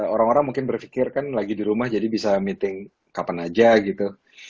orang orang mungkin berpikir kan lagi di rumah jadi bisa meeting kapan aja gitu